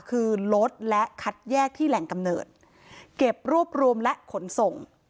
คือลดและคัดแยกที่แหล่งกำเนิดเก็บรวบรวมและขนส่ง